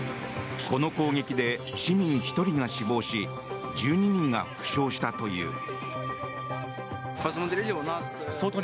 この攻撃で市民１人が死亡し１２人が負傷したという。